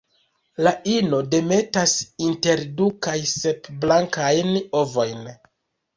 La ino demetas inter du kaj sep blankajn ovojn.